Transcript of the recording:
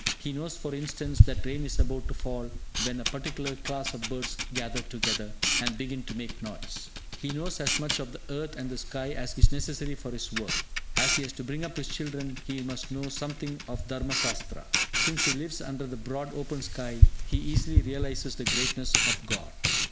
He knows, for instance, that rain is about to fall when a particular class of birds gather together, and begin to make noise. He knows as much of the earth and the sky as is necessary for his work. As he has to bring up his children, he must know something of Dharma Sastra. Since he lives under the broad open sky, he easily realises the greatness of God.